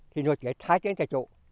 thì nó sẽ thái trên chỗ